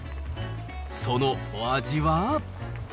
そのお味は。